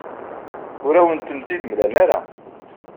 Ur awen-tent-id-mlan ara.